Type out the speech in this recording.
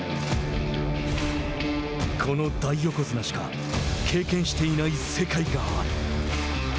この大横綱しか経験していない世界がある。